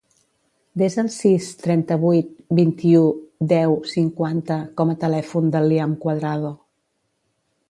Desa el sis, trenta-vuit, vint-i-u, deu, cinquanta com a telèfon del Liam Cuadrado.